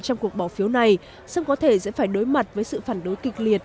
trong cuộc bỏ phiếu này song có thể sẽ phải đối mặt với sự phản đối kịch liệt